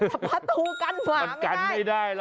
แต่ประตูกันหมาไม่ได้